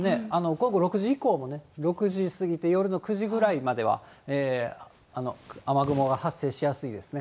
午後６時以降も、６時過ぎて夜の９時ぐらいまでは雨雲が発生しやすいですね。